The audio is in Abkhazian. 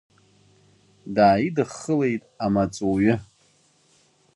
Дааидыххылеит амаҵуҩы.